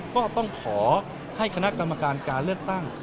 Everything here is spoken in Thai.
ก็ต้องขอให้คณะกรรมการการเลือกตั้ง